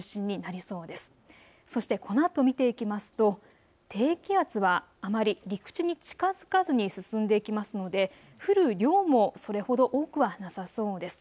そしてこのあと見ていきますと低気圧はあまり陸地に近づかずに進んでいきますので降る量もそれほど多くはなさそうです。